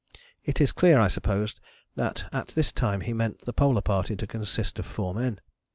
It is clear, I suppose, that at this time he meant the Polar Party to consist of four men.